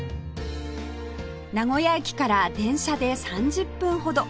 名古屋駅から電車で３０分ほど